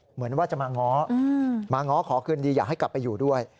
เหมือนว่าจะมาง้อมาง้อขอคืนดีอยากให้กลับไปอยู่ด้วย